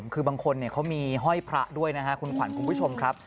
คือบางคนเขามีห้อยพระด้วยนะครับคุณขวัญคุณผู้ชมครับ